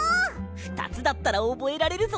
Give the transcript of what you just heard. ２つだったらおぼえられるぞ！